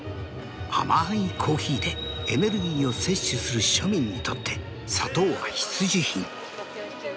甘いコーヒーでエネルギーを摂取する庶民にとって砂糖は必需品。